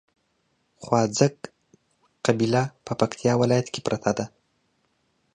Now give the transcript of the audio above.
خواځک قبيله په پکتیا ولايت کې پراته دي